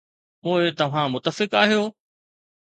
پوء توهان متفق آهيو؟